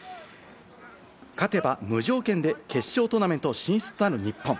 勝てば無条件で決勝トーナメント進出となる日本。